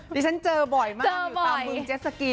ดิฉันเจอบ่อยมากอยู่ตามบึงเจสสกี